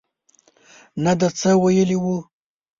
نه ده څه ویلي وو.